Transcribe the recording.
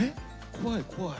怖い怖い。